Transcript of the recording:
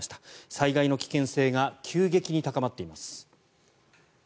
災害の危険性が急激に高まっています。